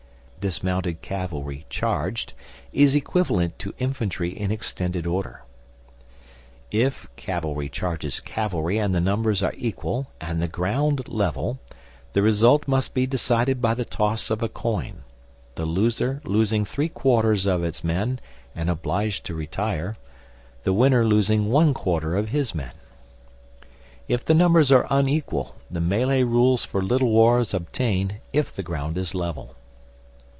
Dismounted cavalry charged is equivalent to infantry in extended order. If cavalry charges cavalry and the numbers are equal and the ground level, the result must be decided by the toss of a coin; the loser losing three quarters of his men and obliged to retire, the winner losing one quarter of his men. If the numbers are unequal, the melee rules for Little Wars obtain if the ground is level.